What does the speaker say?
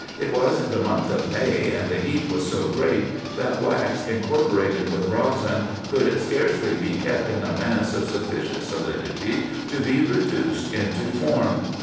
It was the month of May, and the heat was so great, that wax incorporated with resin could scarcely be kept in a mass of sufficient solidity to be reduced into form.